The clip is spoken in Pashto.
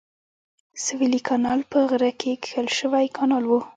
سویلي کانال په غره کې کښل شوی کانال و.